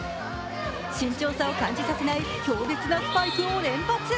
身長差を感じさせない強烈なスパイクを連発。